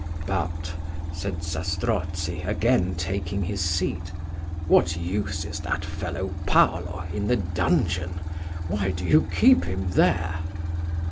"But," said Zastrozzi, again taking his seat, "what use is that fellow Paulo in the dungeon? why do you keep him there?"